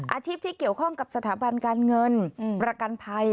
อาชีพที่เกี่ยวข้องกับสถาบันการเงินประกันภัย